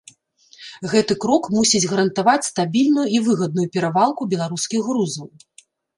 Гэты крок мусіць гарантаваць стабільную і выгадную перавалку беларускіх грузаў.